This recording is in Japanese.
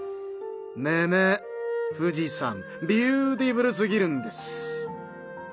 むむっ富士山ビューティフルすぎるんです。